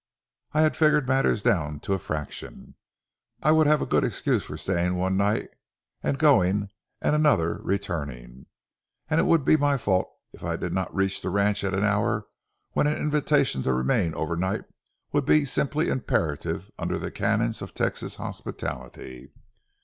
I had figured matters down to a fraction; I would have a good excuse for staying one night going and another returning. And it would be my fault if I did not reach the ranch at an hour when an invitation to remain over night would be simply imperative under the canons of Texas hospitality.